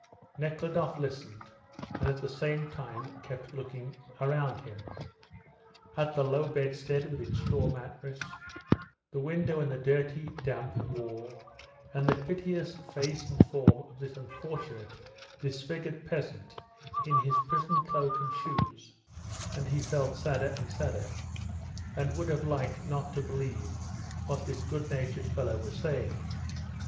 Nekhludoff listened, and at the same time kept looking around him at the low bedstead with its straw mattress, the window and the dirty, damp wall, and the piteous face and form of this unfortunate, disfigured peasant in his prison cloak and shoes, and he felt sadder and sadder, and would have liked not to believe what this good natured fellow was saying.